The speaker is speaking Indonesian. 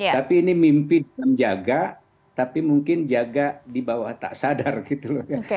tapi ini mimpi dalam jaga tapi mungkin jaga di bawah tak sadar gitu loh